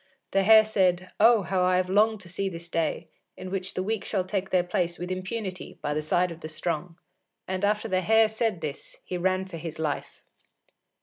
The Hare said, "Oh, how I have longed to see this day, in which the weak shall take their place with impunity by the side of the strong." And after the Hare said this, he ran for his life.